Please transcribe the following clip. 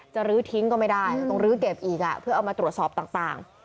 ลื้อทิ้งก็ไม่ได้ต้องลื้อเก็บอีกเพื่อเอามาตรวจสอบต่าง